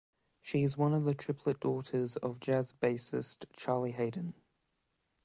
She is one of the triplet daughters of jazz bassist Charlie Haden.